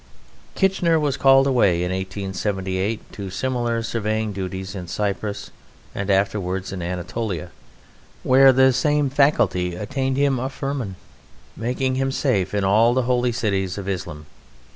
Kitchener was called away in 1878 to similar surveying duties in Cyprus, and afterwards in Anatolia, where the same faculty obtained him a firman, making him safe in all the Holy Cities of Islam.